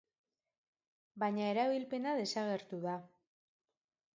Baina erabilpena desagertu da.